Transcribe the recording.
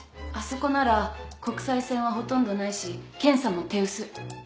あそこなら国際線はほとんどないし検査も手薄。